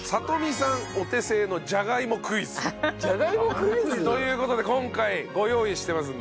じゃがいもクイズ？という事で今回ご用意してますんでね